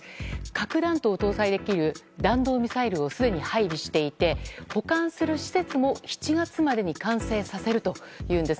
核弾頭を搭載できる弾道ミサイルをすでに配備していて保管する施設も７月までに完成させるというんです。